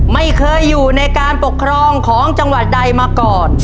ไม่เคยอยู่ในการปกครองของจังหวัดใดมาก่อน